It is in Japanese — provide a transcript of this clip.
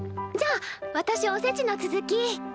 じゃあ私おせちの続き。